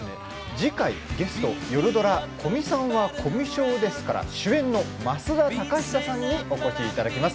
次回ゲスト、よるドラ「古見さんは、コミュ症です」から主演の増田貴久さんにお越しいただきます。